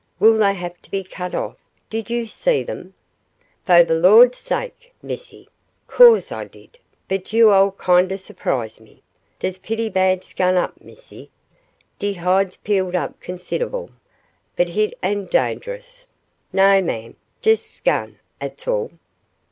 Will they have to be cut off? Didn't you see them?" "Fo' de Lawd's sake, missy, co'se Ah did, but yo' all kindeh susprise me. Dey's p'etty bad skun up, missy; de hide's peeled up consid'ble. But hit ain' dang'ous, no, ma'am. Jes' skun, 'at's all."